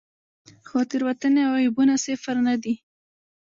خو تېروتنې او عیبونه صفر نه دي.